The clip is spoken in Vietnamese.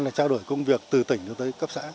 và trao đổi công việc từ tỉnh tới cấp xã